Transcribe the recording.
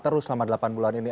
terus selama delapan bulan ini